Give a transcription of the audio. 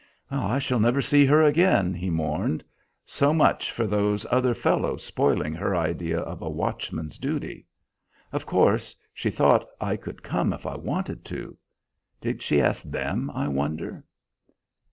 "I shall never see her again," he mourned. "So much for those other fellows spoiling her idea of a watchman's duty. Of course she thought I could come if I wanted to. Did she ask them, I wonder?"